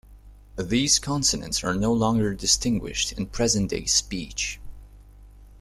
These consonants are no longer distinguished in present-day speech.